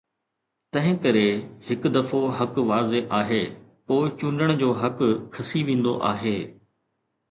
تنهن ڪري، هڪ دفعو حق واضح آهي، پوء چونڊڻ جو حق کسي ويندو آهي.